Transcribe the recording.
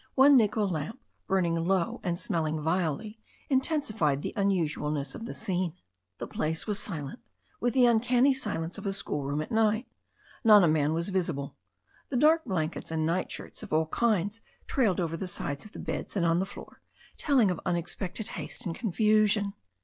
One nickel lamp, burning low and smelling vilely, intensified the un usualness of the scene. The place was silent with the un 120 THE STORY OF A NEW ZEALAND RIVER canny silence of a schoolroom at night. Not a man was visible. The dark blankets and night shirts of all kinds trailed over the sides of the beds and on the floor, telling of unexpected haste and confusion.